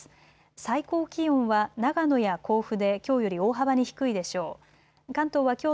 最高気温は長野や甲府できょうより大幅に低いでしょう。